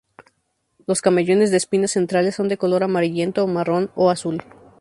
Los camellones de espinas centrales son de color amarillento a marrón o azul.